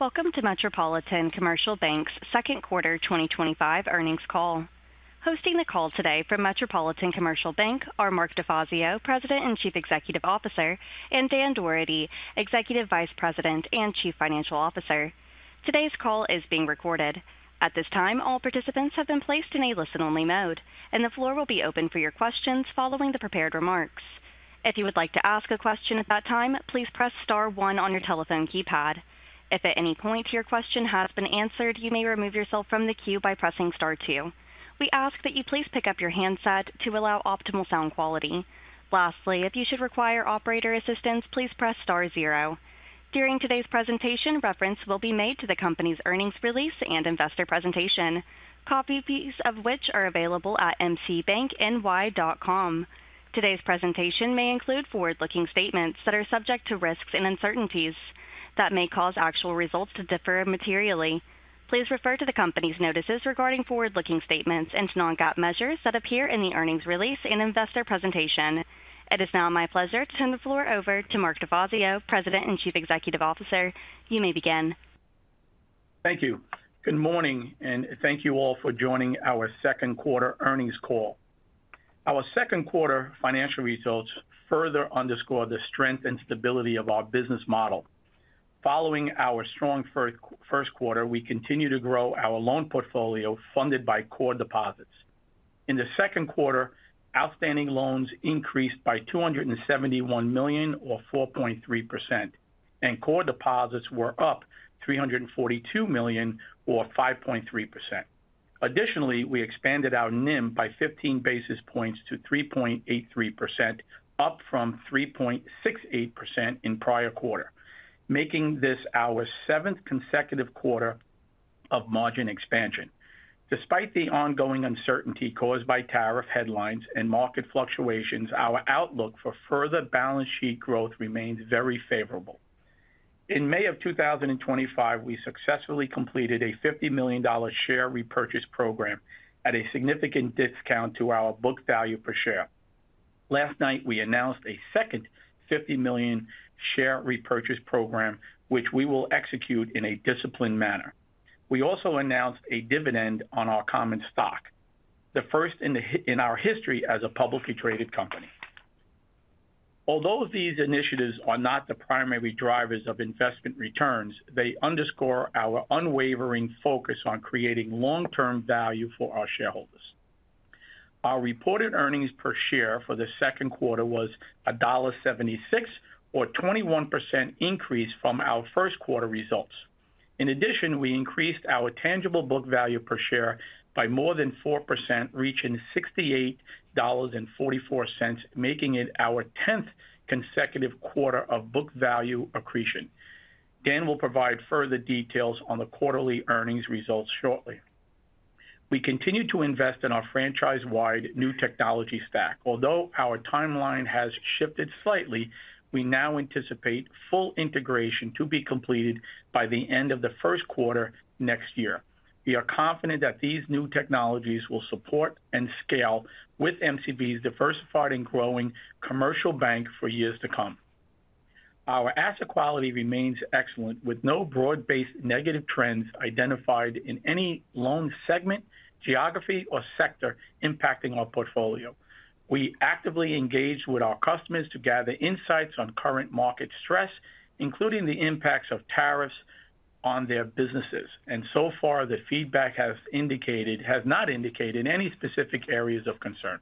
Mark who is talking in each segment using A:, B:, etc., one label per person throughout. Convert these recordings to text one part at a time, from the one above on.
A: Welcome to Metropolitan Commercial Bank Second Quarter 2025 earnings call. Hosting the call today from Metropolitan Commercial Bank are Mark DeFazio, President and Chief Executive Officer, and Dan Dougherty, Executive Vice President and Chief Financial Officer. Today's call is being recorded. At this time, all participants have been placed in a listen-only mode, and the floor will be open for your questions following the prepared remarks. If you would like to ask a question at that time, please press star one on your telephone keypad. If at any point your question has been answered, you may remove yourself from the queue by pressing star two. We ask that you please pick up your handset to allow optimal sound quality. Lastly, if you should require operator assistance, please press star zero. During today's presentation, reference will be made to the company's earnings release and investor presentation, copies of which are available at mcbankny.com. Today's presentation may include forward-looking statements that are subject to risks and uncertainties that may cause actual results to differ materially. Please refer to the company's notices regarding forward-looking statements and non-GAAP measures that appear in the earnings release and investor presentation. It is now my pleasure to turn the floor over to Mark DeFazio, President and Chief Executive Officer. You may begin.
B: Thank you. Good morning, and thank you all for joining our second quarter earnings call. Our second quarter financial results further underscore the strength and stability of our business model. Following our strong first quarter, we continued to grow our loan portfolio funded by core deposits. In the second quarter, outstanding loans increased by $271 million, or 4.3%, and core deposits were up $342 million, or 5.3%. Additionally, we expanded our NIM by 15 basis points to 3.83%, up from 3.68% in the prior quarter, making this our seventh consecutive quarter of margin expansion. Despite the ongoing uncertainty caused by tariff headlines and market fluctuations, our outlook for further balance sheet growth remains very favorable. In May 2025, we successfully completed a $50 million share repurchase program at a significant discount to our book value per share. Last night, we announced a second $50 million share repurchase program, which we will execute in a disciplined manner. We also announced a dividend on our common stock, the first in our history as a publicly traded company. Although these initiatives are not the primary drivers of investment returns, they underscore our unwavering focus on creating long-term value for our shareholders. Our reported earnings per share for the second quarter was $1.76, or a 21% increase from our first quarter results. In addition, we increased our tangible book value per share by more than 4%, reaching $68.44, making it our 10th consecutive quarter of book value accretion. Dan will provide further details on the quarterly earnings results shortly. We continue to invest in our franchise-wide new technology stack. Although our timeline has shifted slightly, we now anticipate full integration to be completed by the end of the first quarter next year. We are confident that these new technologies will support and scale with MCB's diversified and growing commercial bank for years to come. Our asset quality remains excellent, with no broad-based negative trends identified in any loan segment, geography, or sector impacting our portfolio. We actively engage with our customers to gather insights on current market stress, including the impacts of tariffs on their businesses, and so far the feedback has not indicated any specific areas of concern.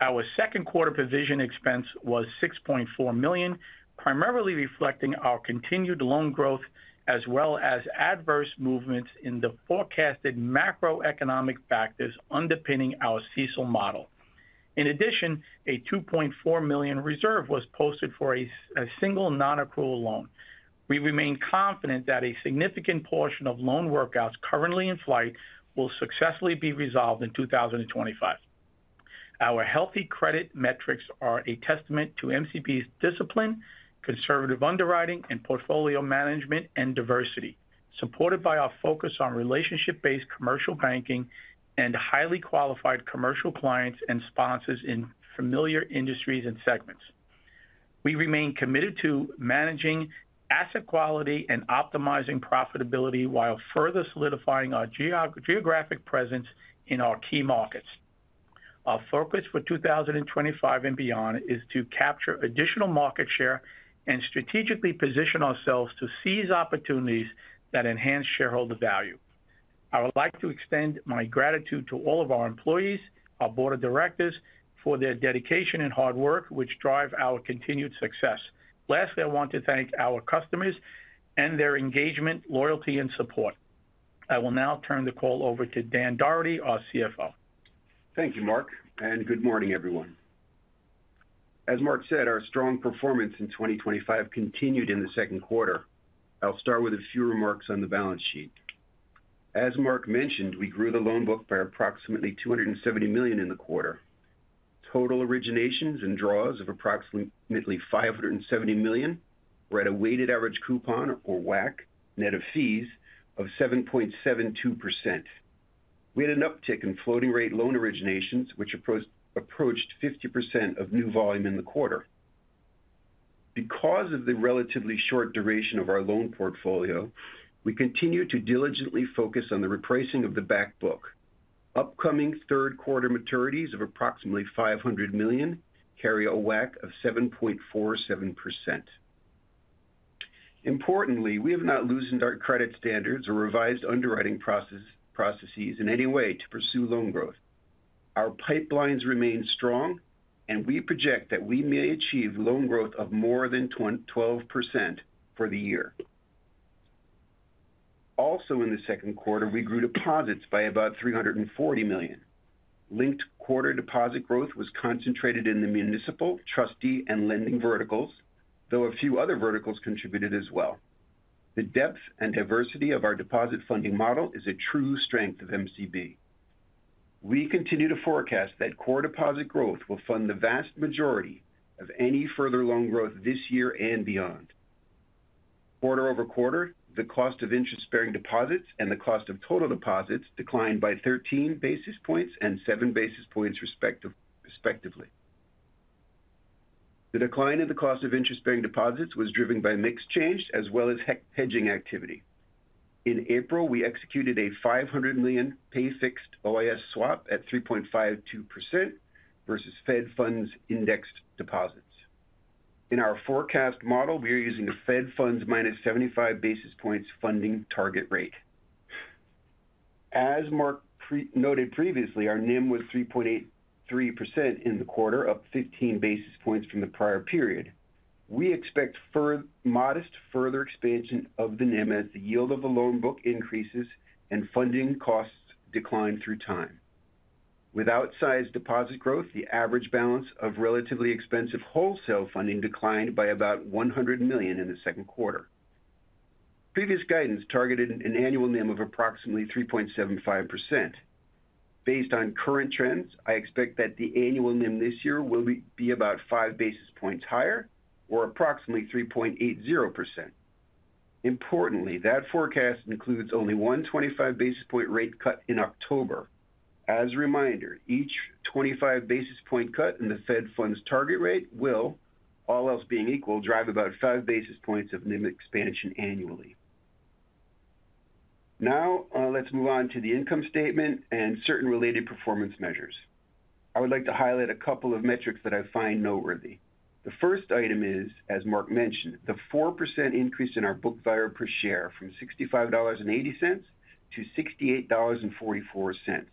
B: Our second quarter provision expense was $6.4 million, primarily reflecting our continued loan growth as well as adverse movements in the forecasted macroeconomic factors underpinning our CECL model. In addition, a $2.4 million reserve was posted for a single non-accrual loan. We remain confident that a significant portion of loan workouts currently in flight will successfully be resolved in 2025. Our healthy credit metrics are a testament to MCB's discipline, conservative underwriting, and portfolio management and diversity, supported by our focus on relationship-based commercial banking and highly qualified commercial clients and sponsors in familiar industries and segments. We remain committed to managing asset quality and optimizing profitability while further solidifying our geographic presence in our key markets. Our focus for 2025 and beyond is to capture additional market share and strategically position ourselves to seize opportunities that enhance shareholder value. I would like to extend my gratitude to all of our employees and our board of directors for their dedication and hard work, which drive our continued success. Lastly, I want to thank our customers for their engagement, loyalty, and support. I will now turn the call over to Dan Dougherty, our CFO.
C: Thank you, Mark, and good morning, everyone. As Mark said, our strong performance in 2025 continued in the second quarter. I'll start with a few remarks on the balance sheet. As Mark mentioned, we grew the loan book by approximately $270 million in the quarter. Total originations and draws of approximately $570 million were at a weighted average coupon, or WACC, net of fees of 7.72%. We had an uptick in floating rate loan originations, which approached 50% of new volume in the quarter. Because of the relatively short duration of our loan portfolio, we continue to diligently focus on the repricing of the back book. Upcoming third quarter maturities of approximately $500 million carry a WACC of 7.47%. Importantly, we have not loosened our credit standards or revised underwriting processes in any way to pursue loan growth. Our pipelines remain strong, and we project that we may achieve loan growth of more than 12% for the year. Also in the second quarter, we grew deposits by about $340 million. Linked quarter deposit growth was concentrated in the municipal, trustee, and lending verticals, though a few other verticals contributed as well. The depth and diversity of our deposit funding model is a true strength of MCB. We continue to forecast that core deposit growth will fund the vast majority of any further loan growth this year and beyond. Quarter-over-quarter, the cost of interest-bearing deposits and the cost of total deposits declined by 13 basis points and 7 basis points, respectively. The decline in the cost of interest-bearing deposits was driven by mix change as well as hedging activity. In April, we executed a $500 million pay-fixed OIS swap at 3.52% versus Fed funds indexed deposits. In our forecast model, we are using a Fed funds minus 75 basis points funding target rate. As Mark noted previously, our NIM was 3.83% in the quarter, up 15 basis points from the prior period. We expect modest further expansion of the NIM as the yield of the loan book increases and funding costs decline through time. With outsized deposit growth, the average balance of relatively expensive wholesale funding declined by about $100 million in the second quarter. Previous guidance targeted an annual NIM of approximately 3.75%. Based on current trends, I expect that the annual NIM this year will be about 5 basis points higher, or approximately 3.80%. Importantly, that forecast includes only one 25 basis point rate cut in October. As a reminder, each 25 basis point cut in the Fed funds target rate will, all else being equal, drive about 5 basis points of NIM expansion annually. Now, let's move on to the income statement and certain related performance measures. I would like to highlight a couple of metrics that I find noteworthy. The first item is, as Mark mentioned, the 4% increase in our book value per share from $65.80-$68.44.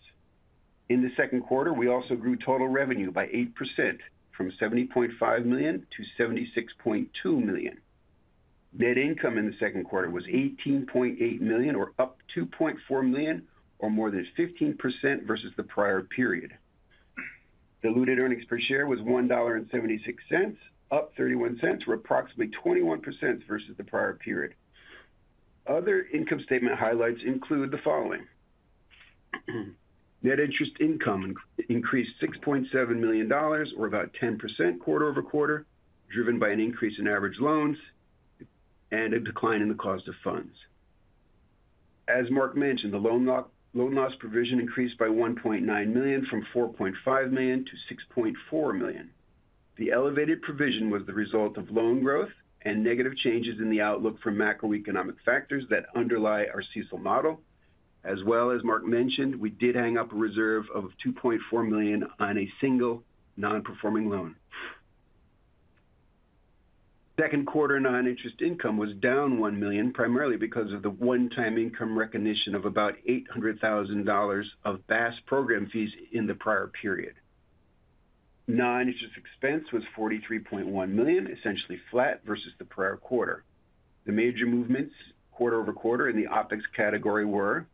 C: In the second quarter, we also grew total revenue by 8% from $70.5 million-$76.2 million. Net income in the second quarter was $18.8 million, or up $2.4 million, or more than 15% versus the prior period. Diluted earnings per share was $1.76, up $0.31, or approximately 21% versus the prior period. Other income statement highlights include the following: Net interest income increased $6.7 million, or about 10% quarter-over-quarter, driven by an increase in average loans and a decline in the cost of funds. As Mark mentioned, the loan loss provision increased by $1.9 million from $4.5 million-$6.4 million. The elevated provision was the result of loan growth and negative changes in the outlook from macroeconomic factors that underlie our CECL model. As Mark mentioned, we did hang up a reserve of $2.4 million on a single non-performing loan. Second quarter non-interest income was down $1 million, primarily because of the one-time income recognition of about $800,000 of BAS program fees in the prior period. Non-interest expense was $43.1 million, essentially flat versus the prior quarter. The major movements quarter-over-quarter in the OpEx category were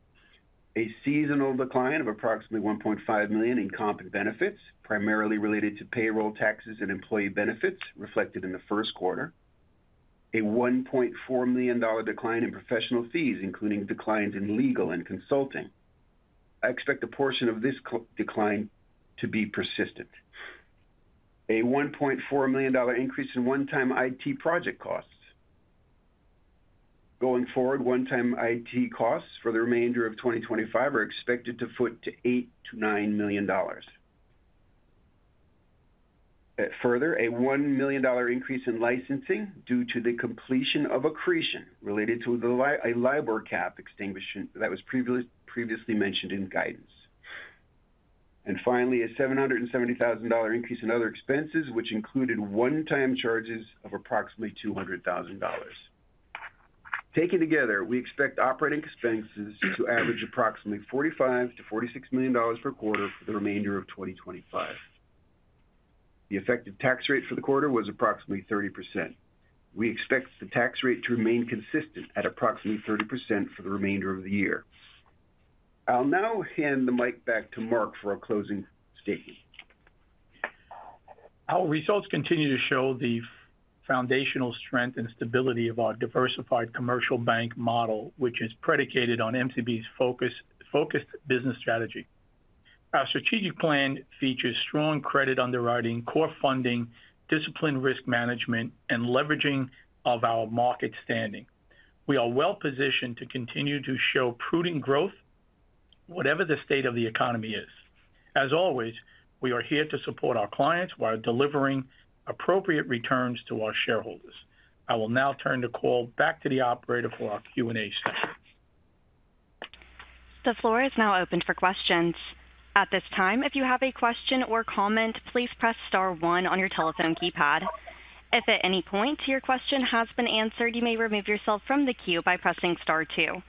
C: a seasonal decline of approximately $1.5 million in comp and benefits, primarily related to payroll, taxes, and employee benefits reflected in the first quarter, a $1.4 million decline in professional fees, including declines in legal and consulting. I expect a portion of this decline to be persistent. A $1.4 million increase in one-time IT project costs. Going forward, one-time IT costs for the remainder of 2025 are expected to foot to $8-$9 million. Further, a $1 million increase in licensing due to the completion of accretion related to a LIBOR cap extinguishment that was previously mentioned in guidance. Finally, a $770,000 increase in other expenses, which included one-time charges of approximately $200,000. Taken together, we expect operating expenses to average approximately $45-$46 million per quarter for the remainder of 2025. The effective tax rate for the quarter was approximately 30%. We expect the tax rate to remain consistent at approximately 30% for the remainder of the year. I'll now hand the mic back to Mark for a closing statement.
B: Our results continue to show the foundational strength and stability of our diversified commercial bank model, which is predicated on MCB's focused business strategy. Our strategic plan features strong credit underwriting, core funding, disciplined risk management, and leveraging of our market standing. We are well positioned to continue to show prudent growth, whatever the state of the economy is. As always, we are here to support our clients while delivering appropriate returns to our shareholders. I will now turn the call back to the operator for our Q&A session.
A: The floor is now open for questions. At this time, if you have a question or comment, please press star one on your telephone keypad. If at any point your question has been answered, you may remove yourself from the queue by pressing star two.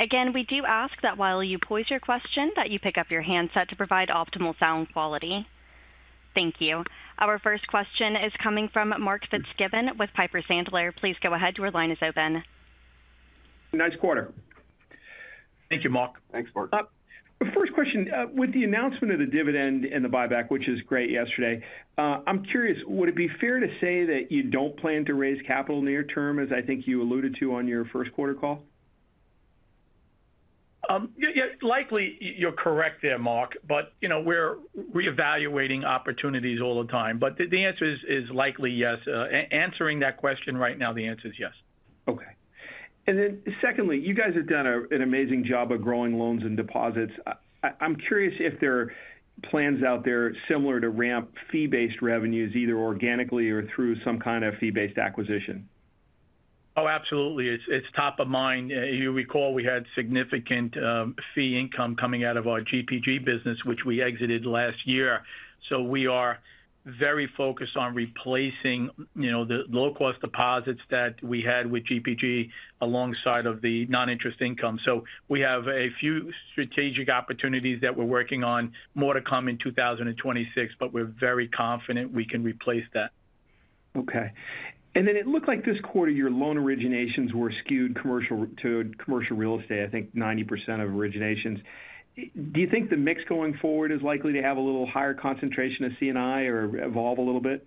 A: Again, we do ask that while you pose your question, you pick up your handset to provide optimal sound quality. Thank you. Our first question is coming from Mark Fitzgibbon with Piper Sandler. Please go ahead. Your line is open.
D: Nice quarter.
B: Thank you, Mark.
C: Thanks, Mark.
D: First question, with the announcement of the dividend and the buyback, which is great yesterday, I'm curious, would it be fair to say that you don't plan to raise capital near term, as I think you alluded to on your first quarter call? Likely, you'll correct there, Mark, but you know we're reevaluating opportunities all the time. The answer is likely yes. Answering that question right now, the answer is yes. Okay. Secondly, you guys have done an amazing job of growing loans and deposits. I'm curious if there are plans out there similar to ramp fee-based revenues, either organically or through some kind of fee-based acquisition.
B: Oh, absolutely. It's top of mind. You recall we had significant fee income coming out of our GPG business, which we exited last year. We are very focused on replacing the low-cost deposits that we had with GPG alongside of the non-interest income. We have a few strategic opportunities that we're working on, more to come in 2026, but we're very confident we can replace that.
D: Okay. It looked like this quarter your loan originations were skewed to commercial real estate, I think 90% of originations. Do you think the mix going forward is likely to have a little higher concentration of C&I or evolve a little bit?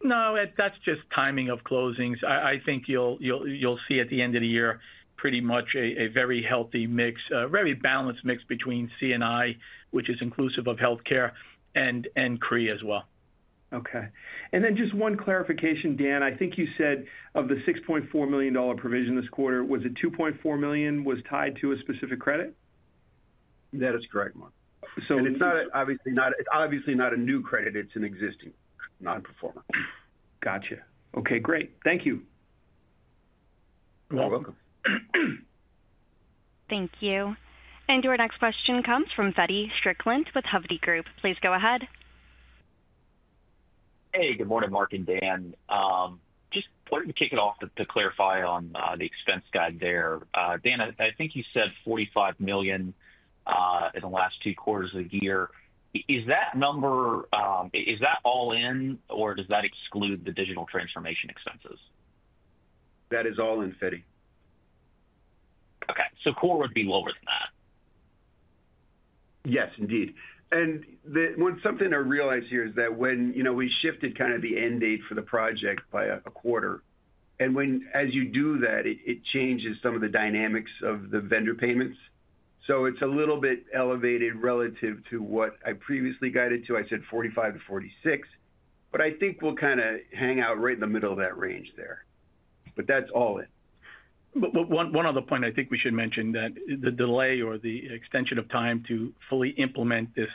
B: No, that's just timing of closings. I think you'll see at the end of the year pretty much a very healthy mix, a very balanced mix between C&I, which is inclusive of healthcare, and [CRE] as well.
D: Okay. Just one clarification, Dan, I think you said of the $6.4 million provision this quarter, was it $2.4 million tied to a specific credit?
C: That is correct, Mark. It's not, obviously, not a new credit. It's an existing non-performer.
D: Gotcha. Okay, great. Thank you.
C: You're welcome.
A: Thank you. Your next question comes from Feddie Strickland with Hovde Group. Please go ahead.
E: Hey, good morning, Mark and Dan. Just to kick it off, to clarify on the expense guide there, Dan, I think you said $45 million in the last two quarters of the year. Is that number, is that all-in, or does that exclude the digital transformation expenses?
C: That is all-in, Feddie.
E: Okay. Core would be lower than that?
C: Yes, indeed. The one thing I realized here is that when, you know, we shifted kind of the end date for the project by a quarter, as you do that, it changes some of the dynamics of the vendor payments. It's a little bit elevated relative to what I previously guided to. I said $45 million-$46 million, but I think we'll kind of hang out right in the middle of that range there. That's all in.
B: One other point I think we should mention is that the delay or the extension of time to fully implement this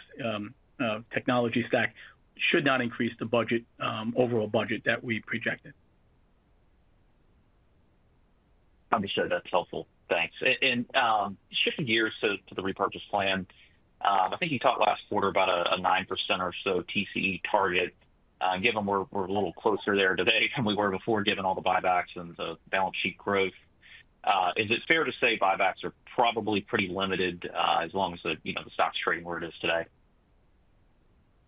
B: technology stack should not increase the overall budget that we projected.
E: Understood. That's helpful. Thanks. Shifting gears to the share repurchase program, I think you talked last quarter about a 9% or so TCE target. Given we're a little closer there today than we were before, given all the buybacks and the balance sheet growth, is it fair to say buybacks are probably pretty limited as long as the stock's trading where it is today?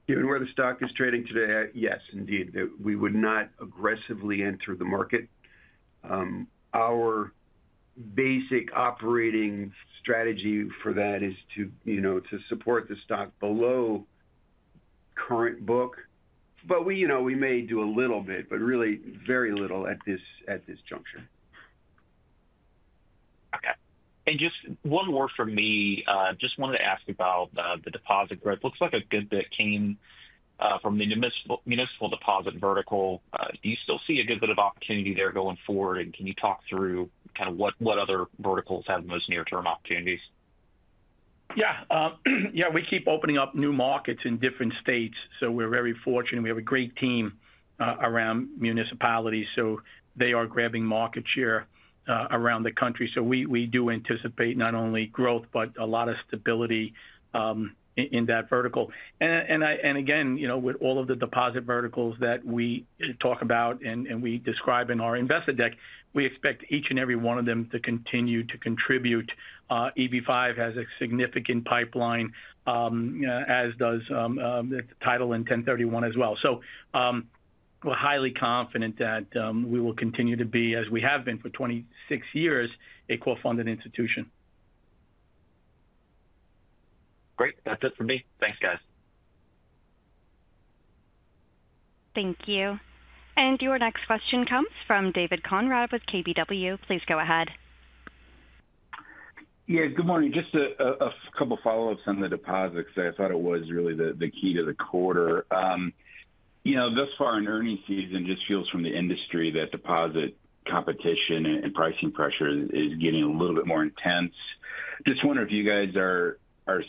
C: Given where the stock is trading today, yes, indeed. We would not aggressively enter the market. Our basic operating strategy for that is to support the stock below current book. We may do a little bit, but really very little at this juncture.
E: Okay. Just one more for me. I just wanted to ask about the deposit growth. Looks like a good bit came from the municipal vertical. Do you still see a good bit of opportunity there going forward? Can you talk through what other verticals have the most near-term opportunities?
B: Yeah, we keep opening up new markets in different states. We're very fortunate. We have a great team around municipalities. They are grabbing market share around the country. We do anticipate not only growth, but a lot of stability in that vertical. Again, with all of the deposit verticals that we talk about and we describe in our investor deck, we expect each and every one of them to continue to contribute. EV5 has a significant pipeline, as does the title in 1031 as well. We're highly confident that we will continue to be, as we have been for 26 years, a core-funded institution.
E: Great. That's it for me. Thanks, guys.
A: Thank you. Your next question comes from David Konrad with KBW. Please go ahead.
F: Yeah, good morning. Just a couple of follow-ups on the deposit because I thought it was really the key to the quarter. You know, thus far in earnings season, just feels from the industry that deposit competition and pricing pressure is getting a little bit more intense. Just wonder if you guys are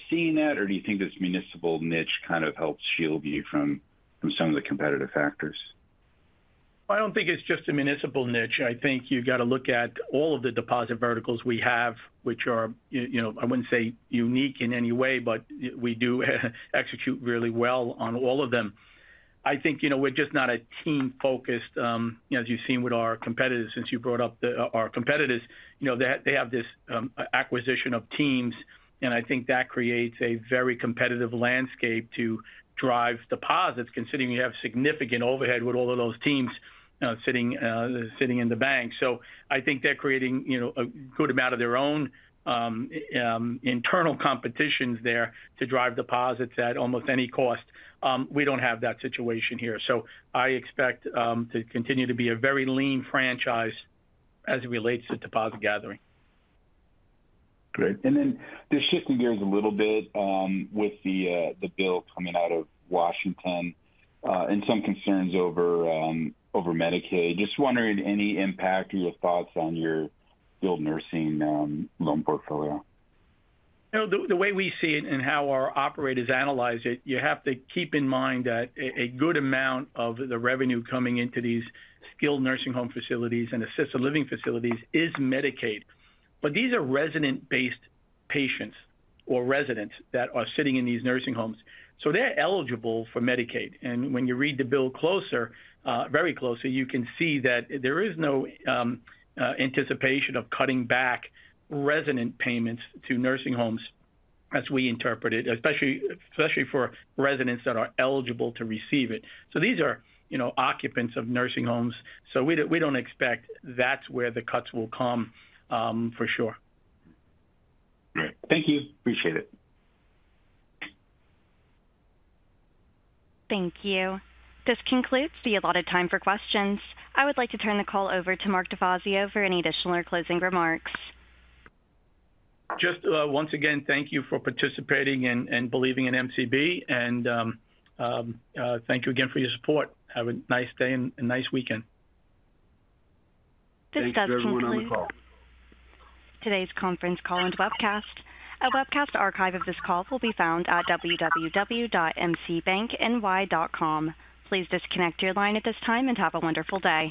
F: seeing that, or do you think this municipal vertical kind of helps shield you from some of the competitive factors?
B: I don't think it's just a municipal niche. I think you've got to look at all of the deposit verticals we have, which are, you know, I wouldn't say unique in any way, but we do execute really well on all of them. I think we're just not a team-focused, as you've seen with our competitors, since you brought up our competitors, you know, they have this acquisition of teams, and I think that creates a very competitive landscape to drive deposits, considering you have significant overhead with all of those teams sitting in the bank. I think they're creating a good amount of their own internal competitions there to drive deposits at almost any cost. We don't have that situation here. I expect to continue to be a very lean franchise as it relates to deposit gathering.
F: Great. Just shifting gears a little bit with the bill coming out of Washington and some concerns over Medicaid. Just wondering, any impact or your thoughts on your skilled nursing loan portfolio?
B: The way we see it and how our operators analyze it, you have to keep in mind that a good amount of the revenue coming into these skilled nursing home facilities and assisted living facilities is Medicaid. These are resident-based patients or residents that are sitting in these nursing homes. They're eligible for Medicaid. When you read the bill very closely, you can see that there is no anticipation of cutting back resident payments to nursing homes, as we interpret it, especially for residents that are eligible to receive it. These are occupants of nursing homes. We don't expect that's where the cuts will come for sure.
F: Great. Thank you. Appreciate it.
A: Thank you. This concludes the allotted time for questions. I would like to turn the call over to Mark DeFazio for any additional or closing remarks.
B: Just once again, thank you for participating and believing in MCB and thank you again for your support. Have a nice day and a nice weekend.
A: This does conclude today's conference call and webcast. A webcast archive of this call will be found at www.mcbankny.com. Please disconnect your line at this time and have a wonderful day.